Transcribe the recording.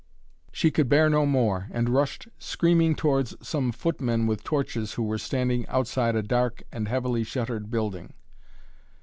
She could bear no more and rushed screaming towards some footmen with torches who were standing outside a dark and heavily shuttered building.